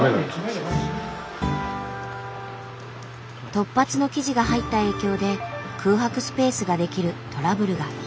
突発の記事が入った影響で空白スペースが出来るトラブルが。